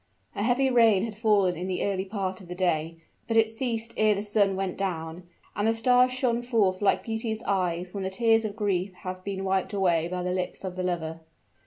A heavy rain had fallen in the early part of the day; but it ceased ere the sun went down; and the stars shone forth like beauty's eyes when the tears of grief have been wiped away by the lips of the lover.